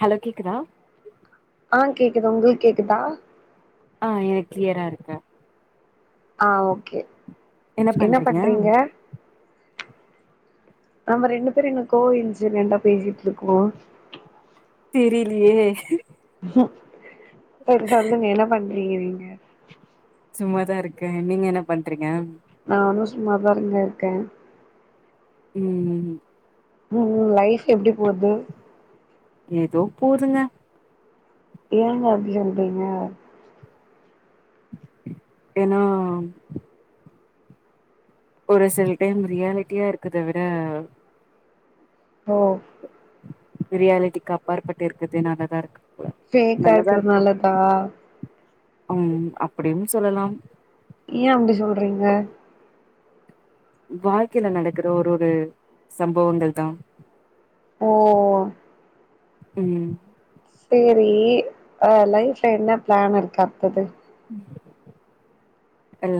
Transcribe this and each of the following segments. hello கேக்குதா ஆ கேக்குது உங்களுக் கேக்குதா ஆ எனக் க்ளியரா இருக்க ஆ ஓகே என்ன பண்றீங்க ஆமா ரெண்டு பேரு என்ன கோ இன்ஸிடெண்டா பேசிட்ருக்கோ தெரிலயே செரி சொல்லதுங்க என்ன பண்றீங்க நீங்க சும்மாதா இருக்கே நீங்க என்ன பண்றீங்க நானு சும்மாதானுங்க இருக்கே உம் உம் உம் லைஃப் எப்டி போது ஏதோ போதுங்க ஏங்க அப்டி சொல்றிங்க ஏன்னா ஒரு சில டைம் ரியாலிட்டியா இருக்கத விட ஓ ரியாலிட்டிக்கு அப்பாற்பட்டு இருக்கதே நல்லாதாருக்கு ஃபேக்கா இருக்கரது நல்லதா ம் அப்புடியும் சொல்லலாம் ஏ அப்டி சொல்றீங்க வாழ்க்கைல நடக்குற ஒரு ஒரு சம்பவங்கள் தா ஓ உம் சேரி ஆ லைஃப்ல என்ன பிளான் இருக்கு அத்தது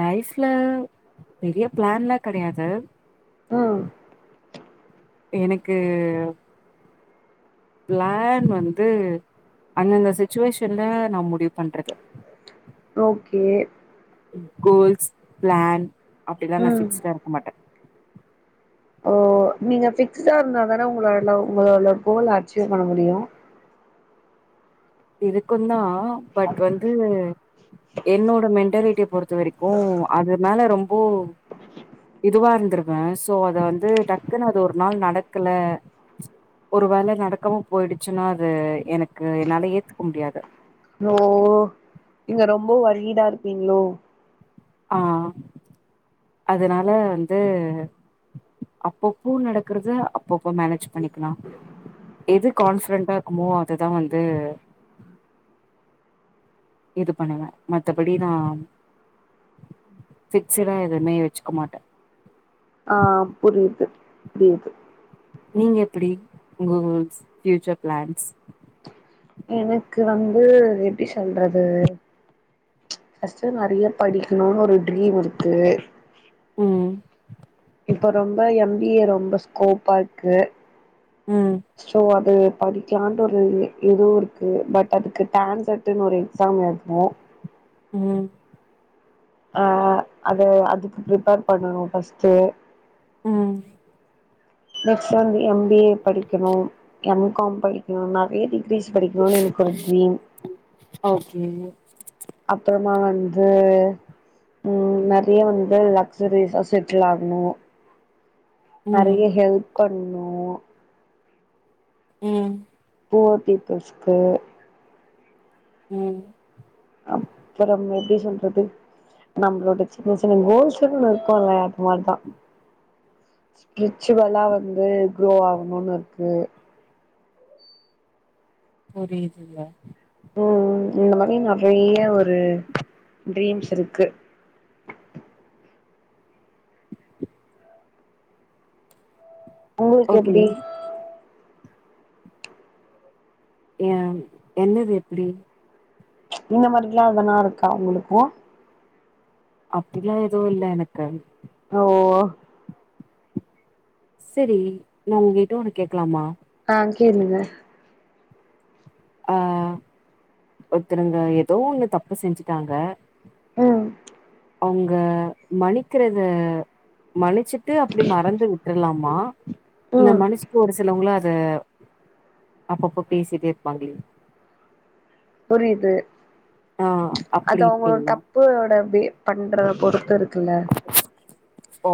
லைஃப்ல பெரிய பிளான்ல்லா கெடையாது ஆ எனக்கு பிளான் வந்து அந்தந்த சிச்சுவேஷன்ல நா முடிவு பண்றது ஓக்கே கோல்ஸ் ப்ளான் அப்டிலா நா ம் ஃபிக்ஸ்டா இருக்க மாட்டே ஓ நீங்க ஃபிக்ஸ்டா இருந்தா தானே உங்களால உங்களால கோல் அச்சீவ் பண்ண முடியு இருக்குந்தா ஆ பட் வந்து என்னோட மெண்டாலிட்டி பொறுத்த வரைக்கு அது மேல ரொம்போ இதுவாருந்திருவே சோ அத வந்து டக்குன்னு அது ஒரு நாள் நடக்கல ஒரு வேள நடக்காம போயிடுச்சுனா அது எனக்கு என்னால ஏத் துக்க முடியாது ஓ இங்க ரொம்ப வரீடா இருப்பீங்ளோ ஆ அதனால வந்து அப்பப்ப நடக்கறது அப்பப்ப மேனேஜ் பண்ணிக்கலா எது கான்ஃபிடன்டா இருக்குமோ அதுதா வந்து இது பண்ணுவே மத்தபடி நா ஃபிக்ஸுடா எதுவுமே வெச்சுக்க மாட்டே ஆ புரியிது புரியிது நீங்க எப்பிடி கோள்ஸ் பியூச்சர் பிளான்ஸ் எனக்கு வந்து எப்படி சொல்றது ஃபஸ்டு நறைய படிக்கணுனு ஒரு ட்ரீம் இருக்கு உம் இப்ப ரொம்ப எம் பி ஏ ரொம்ப ஸ்கோப்பா இருக்கு ம் ஸோ அது படிக்கலான்ட்டு ஒரு இதுவு இருக்கு பட் அதுக்கு டான்செட்னு ஒரு எக்ஸாம் எழுதுனு உம் ஆ அத அதுக்கு பிரப்பர் பண்ணணும் பஸ்ட்டு உம் நெக்ஸ்ட் வந்து எம் பி ஏ படிக்கணு எம் காம் படிகணு நெறைய டிகிரி இங்கிலிஷ் படிக்கனும்னு எனக்கு ஒரு ட்ரீம் ஓகே அப்புறோ நா வந்து உம் நெறைய வந்து லக்சரிஸ்ல செட்டில் ஆகணு ம் நெறைய ஹெல்ப் பண் ணனு உம் புவர் பீப்புல்சுக்கு ம் அப்புறம் எப்படி சொல்றது நம்பளோட சின்ன சின்ன கோல்ஸ்னு ஒன்னு இருக்கும்ல அப்ப அதான் ஸ்பிரிச்சுவலா வந்து குரோ ஆகணும்னு இருக்கு புரியுதுங்களா ம் ம் இந்த மாதிரி நறைய ஒரு ட்ரீம்ஸ் இருக்கு உங்களுக்கு ஓகே எப்படி ய என்னது எப்டி இந்த மாதிரிலாம் எதனா இருக்கா உங்களுக்கும் அப்பிடலாம் எதுவும் இல்ல எனக்கு ஓ சரி நான் உங்ககிட்ட ஒன்னு கேக்கலாமா ஆ கேளுங்க அ ஒருத்தருங்க ஏதோ ஒன்னு தப்ப செஞ்சுட்டாங்க ம் அவுங்க மனிக்குறத மன்னிச்சுட்டு அப்படி மறந்து விட்டுரலாமா இல்ல ம் மனுஷக்கு ஒரு சிலவங்களா அது அப்பப்போ பேசிட்டேருபாங்களே புரியுது அப்டி அது அவுங்க இருப்பீங்களா தப்போட பண்றத பொறுத்து இருக்குல்ல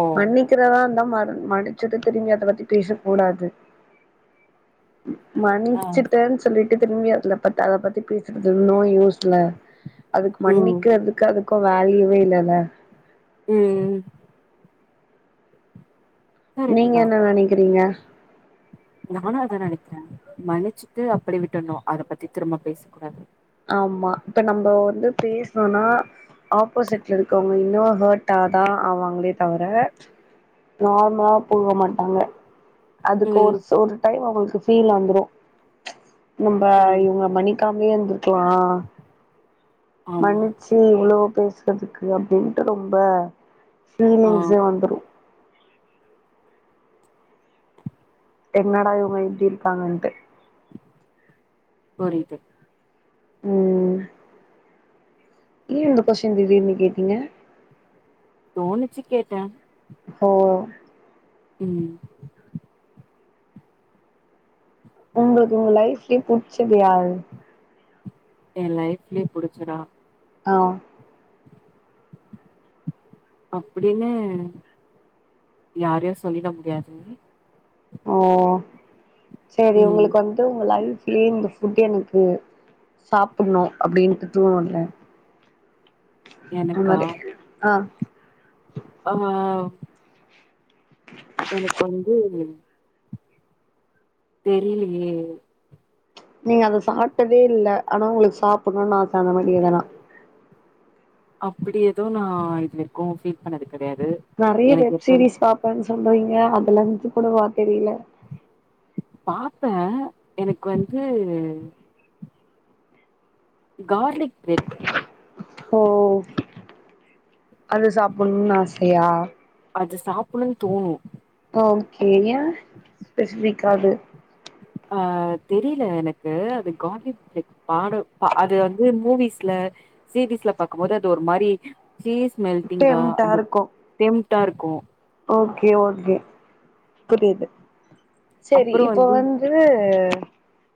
ஓ மன்னிக்கிறதான் இருந்தா ம மடிச்சத திரும்பி அத பத்தி பேசக் கூடாது ஆ மன்னிச்சுிட்டேன் சொல்லிட் திரும்பி அதல பத்து அத பத்தி அதுவோ நோ யூஸ்ல அதுக்கு ம் மன்னிக்கிறதுக்கு அது [unintelligible] வேல்யுவே இல்லல்ல ம் கரெக்ட்டு நீங்க என்ன நனைக்கிறீங்க நானும் அதான் நனைக்கிறேன் மன்னிச்சுட்டு அப்டியே விட்டுணும் அத பத்தி திரும்ப பேசக்க கூடாது ஆமா இப்ப நம்ம வந்து பேசணோம்னா ஆப்போசிட்ல இருக்கவங்க இன்னோ ஹர்ட்டாதான் ஆவாங்களே தவிர நார்மலா போக மாட்டாங்க அதுக்கு ஒரு ம் ஒரு டைம் அவுங்களுக்கு சீன் வந்துரும் நம்ப ம் இவங்க மணாணிக்க கமிஅந்து கற்கலாம் ஆ ஆமா மன்னிச்சு இவ்வளோ பேசுறதுக்கு அப்டின்ட்டு ரொம்ப ஆ ஃபீலிங்ஸே வந்துடோ என்னடா இவுங்க இப்டி இருக்காங்கன்ட்டு புரியுது ம் ஏ இந்த கொஸின் திடீர்னு கேட்டீங்க தோணிச்சு கேட்டேன் ஓ உம் உங்களுக்கு உங்க லைஃப்லயே புடுச்சது யாரு என் லைஃப்லயே புடுச்சதா ஆஹ் அப்டின்னு யாரயும் சொல்லிட முடியாது ஓ சேரி ம் உங்களுக்கு வந்து உங்க லைஃப் லயே இந்த ஃபுட் எனக்கு சாப்டணும் அப்டின்ட்டுட்டு தோனுல அது மாரி ஆஹ் ஆமா எனக்கு வந்து தெரியலேயே நீங்க அத சாப்ட்டதே இல்ல ஆனா உங்களுக்கு சாப்பண்னுனு ஆச அந்த மாரி எதனா அப்டி எதும் நான் இது வரைக்கும் பீல் பண்ணது கெடையாது நெறைய எனக்கு எப்பம் வெப்சீரிஸ் பாப்பேன்னு சொல்றீங்க [unintelligible] கூட வா தெரில பாப்பேன் எனக்கு வந்து கார்லிக் பிரெட் ஓ அது சாப்பண்னுனு ஆசயா அது சாப்பண்னுனு தோணும் ஓகே ஏன் ஏன் ஸ்பெஷிபிக் க்காது ஆஹ் தெரில எனக்கு அது கார்லிக் பிரட் பாட அது வந்து மூவிஸ்ல சீரீஸ்ல பாக்கும் போது அது ஒரு மாரி சீஸ் மெல்ட்டிங்கா டெம்ட்டா அது இருக்கு டெம் டாருக்கும் ஓகே ஓகே புரிது சரி இப்போ வந்து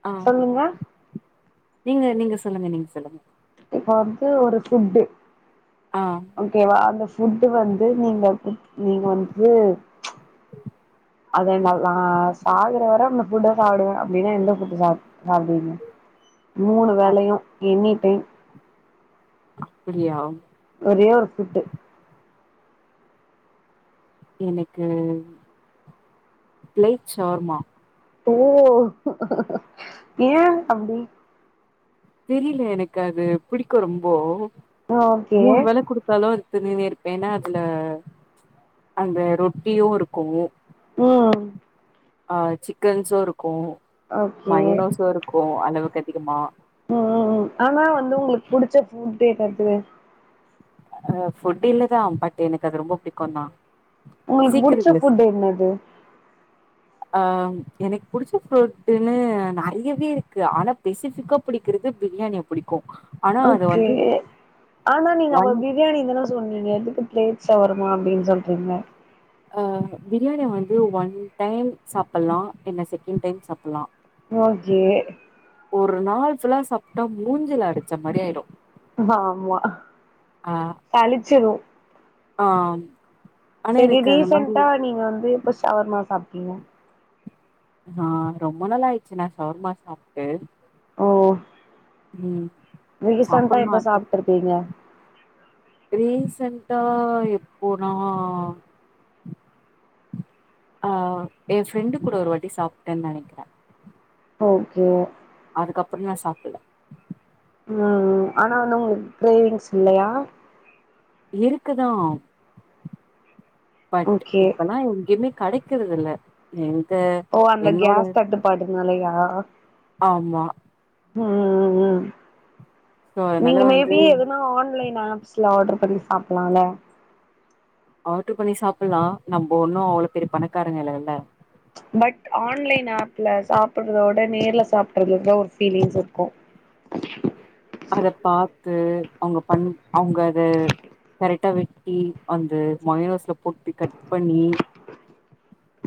ஆ சொல்லுங்க நீங்க நீங்க சொல்லுங்க நீங்க சொல்லுங்க இப்ப வந்து ஒரு ஃபுட்டு ஆ ஓகே வா அந்த ஃபு ஃபுட்டு வந்து நீங்க நீங்க வந்து ச் அதனால சாகுர வர அந்த புட்ட சாப்டுவே அப்டின்னா எந்த ஃபுட்டு சா சாப்டுவீங்க மூணு வேலையும் எனி டைம் அப்டியா ஒரே ஒரு ஃபுட்டு் எனக்கு பிளைட் ஷவர்மா ஓ ஏன் அப்டி தெரில எனக்கு அது புடிக்கூ ரொம்ப ஓகே மூணு வேல கொடுத்தாலு துணி ந இருப்பேன்னா அதுல அந்த ரொட்டியும் இருக்கூ ம் ஆ சிக்கன் சோறு இருக்கூ ஓகே மைனோசும் இருக்கச அளவுக்கு அதிகமா ம் ம் ஆனா வந்து உங்களுக்கு புடிச்ச ஃபுட் என்னது அஹ் ஃபுட் இல்லதான் பட் எனக்கு அது ரொம்ப பிடிக்கூ தான் உங்களுக்கு புடிச்ச ஃபுட் என்னது ஆஹ் எனக்கு பிடிச்ச ஃபுட்ன்னு நெறையவே இருக்கு ஆனா பெசிபிக்கா பிடிக்கிறது பிரியாணிய பிடிக்கூ ஓகே ஆனா நீங்க அப்ப ஒன் பிரியாணி தான சொன்னங்க அதுக்கு பிளேட் வருமா அப்டின்னு சொல்றீங்க அ பிரியாணி வந்து ஒன் டைம் சாப்டலா என்ன செகண்ட் டைம் சாப்டலா ஓகே நாள் ஃபுல்லா சாப்ட்டா மூஞ்சில அடிச்ச மாரி ஆயிடும் ஆமா பளிச்சிரு ஆ ஆனா செரி எனக்கு அந்த மாரி ரீசண்டா நீங்க வந்துப்ப ஷவர்மா சாப்ட்டீங்க ஆ ரொம்ப நாளா ஆயிடுச்சு நான் ஷவர்மா சாப்ட்டு ம் ரிசெண்ட்டா சாப்பட்ணு எப்ப ஆச இருக்கு சாப்ட்டுருபிங்க ரீசன்டா எப்போனா ஆ என் ஃப்ரெண்டு கூட ஒரு வாட்டி சாப்ட்டன்னு நெனைக்ற ஓகே அதுக்கப்றோ நா சாப்புல ம் ஆனா வனு உங்குளுக்கு கிரேவிங்ஸ் இல்லியா இருக்குதா பட் ஓகே இப்பெல்லா எங்கியுமே கெடைக்குறது இல்ல எ ஓ அந்த கேஸ் தட்டுப்பாட்டுனாலையா ஆமா ம் ம் ம் சோ நீங்க அதனால வந்து மேபி எதுனா ஆன்லைன் ஆப்ஸ்ல ஆடர் பண்ணி சாப் சாப்புலால ஆடர் பண்ணி சாப்புலா நம்போ ஒண்ணு அவ்ளோ பெரிய பணக்காரங்க இல்லல பட் ஆன்லைன் ஆப்ல சாப்புறதோட விட நேர்ல சாப்பிட்றதுல ஒரு ஃபீலிங்ஸ் இருக்கு அத பாத்து அவுங்க பண் அவுங்க அத கரெக்டா வெக் தி அந்த மயோனஸ்ல போட்டு கட் பண்ணி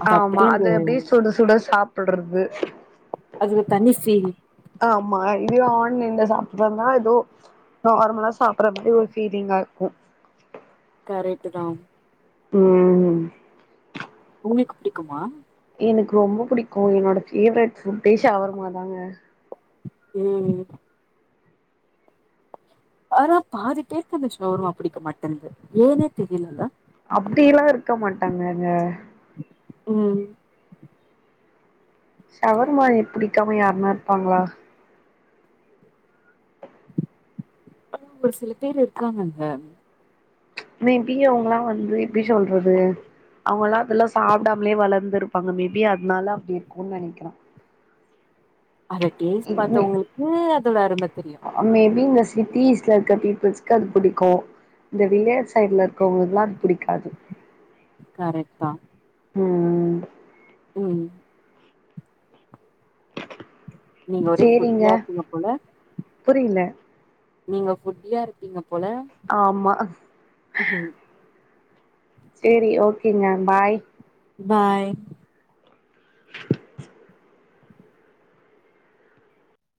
அது ஆமா அப்டியே அந்த அது அப்படியே சுட சுட சாப்பிடறது தன்னிசேவி ஆமா இதயு ஆன்லைன்ல சாப்டுறதுனா ஏதோ நார்மலா சாப்புடற மாரி ஒரு ஃபீலிங்கா இருக்கு கரைட்டுதா ம் உங்குளுக்கு புடிக்குமா எனக்கு ரொம்போ புடிக்கு என்னோட ஃபேவரெட் ஃபுட்டே ஷவர்மா தாங்க ம் ஆனா பாதிபேர்க்கு அந்த ஷவர்மா புடிக்க மாட்டேங்குது ஏனே தெரியலங்க அப்டில்லா இருக்க மாட்டாங்கங்க ம் ஷவர்மா எ புடிக்காம யாருனா இருப்பாங்களா ஆ ஒரு சில பேர் இருக்காங்கங்க ப்ச் மேபி அவுங்கெல்லா வந்து எப்புடி சொல்றது அவுங்கெல்லா அது சாப்பிடாமலே வளந்து இருப்பாங்க மேபி அதனால அப்டி இருக்குனு நெனைக்கிற அத டேஸ்ட் பாத்தவங்களுக்கூ அதோட அரும தெரியு சிட்டீஸ்ல இருக்க பீப்புள்ஸ்கு அது புடிக்கு இந்த வில்லேஜ் சைடுல இருக்கவங்களுக்கெல்லா அது புடிக்காது கரெக்ட்தா ம் ம் ம் நீங்க ஒரே ஃபுட்டீ சேரிங்க இருப்பீங்க போல புரியல நீங்க ஃபுட்டியா இருப்பீங்க போல ஆமா ஹ் சேரி ஓகேங்க பாய் பாய்